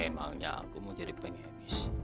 emangnya aku mau jadi penyibis